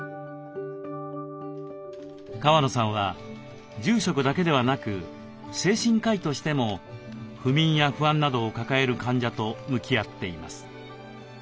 川野さんは住職だけではなく精神科医としても不眠や不安などを抱える患者と向き合っています。